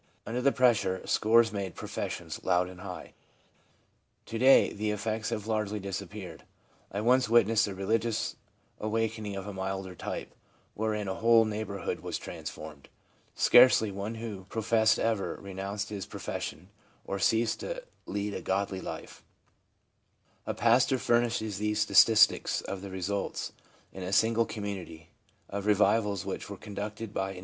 Under the pressure, scores made professions, loud and high; to day the effects have largely disappeared. I once witnessed a religious awakening of a milder type, wherein a whole neighbourhood was transformed. Scarcely one who professed ever renounced his profession, or ceased to lead a godly life/ A pastor furnishes these statistics of the results, in a single community, of revivals which were conducted by an imported evangelist :— Number Received.